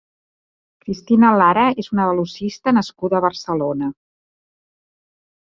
Cristina Lara és una velocista nascuda a Barcelona.